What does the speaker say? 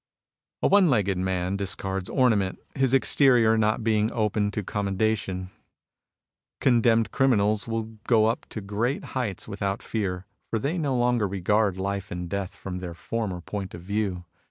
A one legged man discards ornament, his exterior not being open to commendation. Con demned criminals will go up to great heights without fear, for they no longer regard life and death from their former point of view.